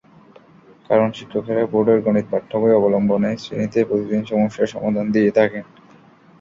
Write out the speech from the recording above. কারণ, শিক্ষকেরা বোর্ডের গণিত পাঠ্যবই অবলম্বনেই শ্রেণিতে প্রতিদিন সমস্যার সমাধান দিয়ে থাকেন।